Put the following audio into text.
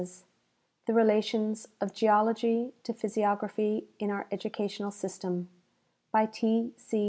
V, 1893, THE RELATIONS OF GEOLOGY TO PHYSIOGRAPHY IN OUR EDUCATIONAL SYSTE]\I BY T. C.